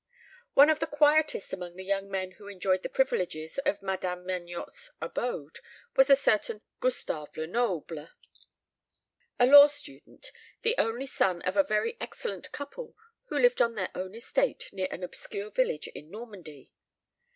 One of the quietest among the young men who enjoyed the privileges of Madame Magnotte's abode was a certain Gustave Lenoble, a law student, the only son of a very excellent couple who lived on their own estate, near an obscure village in Normandy.